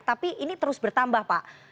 tapi ini terus bertambah pak